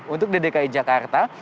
untuk dki jakarta